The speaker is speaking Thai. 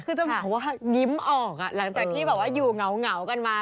คือจะบอกว่านิ้มออกอ่ะหลังจากที่บอกว่าอยู่เหงาเหงากันมา